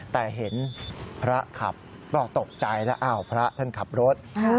แต่เห็นพระขับก็ตกใจแล้วอ้าวพระท่านขับรถ